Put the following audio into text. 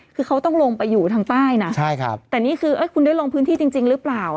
คือเขาต้องลงไปอยู่ทางใต้นะใช่ครับแต่นี่คือคุณได้ลงพื้นที่จริงหรือเปล่า